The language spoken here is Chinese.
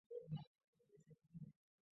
硫氰酸根存在键合异构体。